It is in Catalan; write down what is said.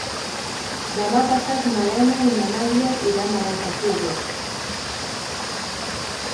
Demà passat na Lena i na Nàdia iran a les Alcubles.